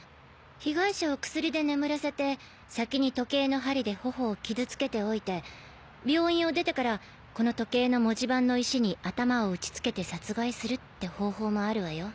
被害者を薬で眠らせて先に時計の針で頬を傷つけておいて病院を出てからこの時計の文字盤の石に頭を打ちつけて殺害するって方法もあるわよ。